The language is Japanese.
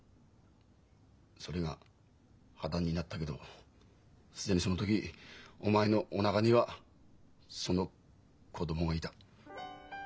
それが破談になったけど既にその時お前のおなかにはその子供がいた。